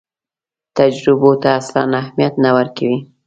تجربو ته اصلاً اهمیت نه ورکوي.